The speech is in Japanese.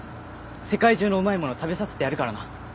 世界中のうまいもの食べさせてやるからな！